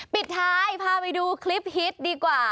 ปิดท้ายพาไปดูคลิปฮิตดีกว่า